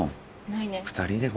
ないね。